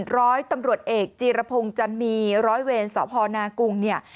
ร้อยตำรวจเอกจีรพงศ์จันมีร้อยเวรสพนากุงเนี่ย